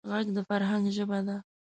غږ د فرهنګ ژبه ده